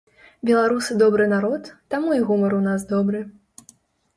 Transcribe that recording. Беларусы добры народ, таму і гумар у нас добры.